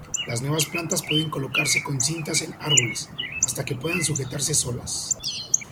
Las nuevas plantas pueden colocarse con cintas en árboles, hasta que puedan sujetarse solas.